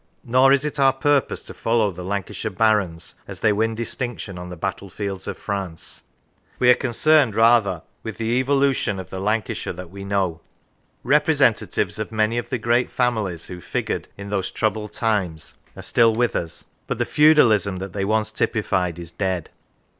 Nor is it our purpose to follow the Lancashire Barons as they win distinction on the battlefields of France. We are concerned rather with the evolution of the 66 Till the Time of Leland Lancashire that we know. Representatives of many of the great families who figured in those troubled times are still with us; but the feudalism that they once typified is dead.